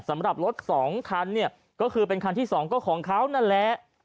สำหรับรถสองคันเนี่ยก็คือเป็นคันที่๒ก็ของเขานั่นแหละ